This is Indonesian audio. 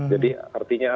jadi artinya apa